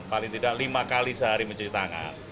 paling tidak lima kali sehari mencuci tangan